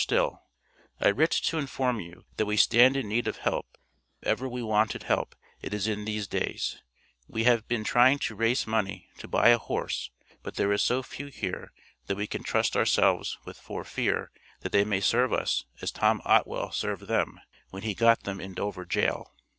STILL: I writ to inform you that we stand in need of help if ever we wonted help it is in theas day, we have Bin trying to rais money to By a hors but there is so few here that we can trust our selves with for fear that they may serve us as tom otwell served them when he got them in dover Jail.